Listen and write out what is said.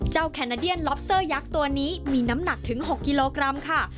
แคนาเดียนล็อบเซอร์ยักษ์ตัวนี้มีน้ำหนักถึง๖กิโลกรัมค่ะ